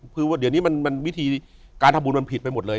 คือว่าเดี๋ยวนี้วิธีการทำบุญมันผิดไปหมดเลย